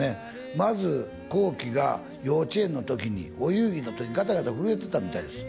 まず航基が幼稚園の時にお遊戯の時ガタガタ震えてたみたいです